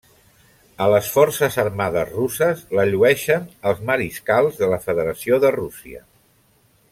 A les Forces Armades Russes la llueixen els Mariscals de la Federació de Rússia.